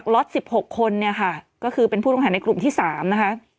ล็อตสิบหกคนเนี่ยค่ะก็คือเป็นผู้ลงหาในกลุ่มที่สามนะคะ